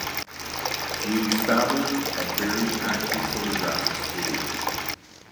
He established a very active photographic studio.